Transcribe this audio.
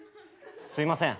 すいません。